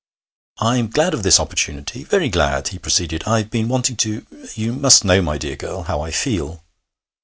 'I'm glad of this opportunity very glad,' he proceeded. 'I've been wanting to ... You must know, my dear girl, how I feel....'